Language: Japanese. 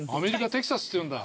テキサスっていうの？